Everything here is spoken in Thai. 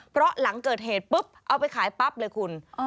เพราะหลังเกิดเหตุปุ๊บเอาไปขายปั๊บเลยคุณ